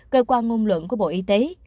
cơ quan ngôn luận của bộ y tế